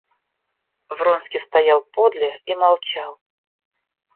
Вронский стоял подле и молчал.